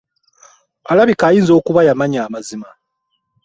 Alabika ayinza okuba yamanya amazima.